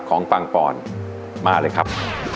ของปังปอนด์มาเลยครับ